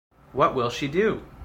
What will she do?